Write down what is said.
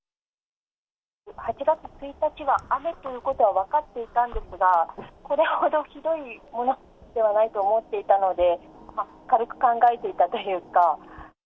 ８月１日は雨ということは分かっていたんですが、これほどひどいものではないと思っていたので、軽く考えていたというか。